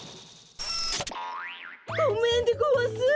ごめんでごわす。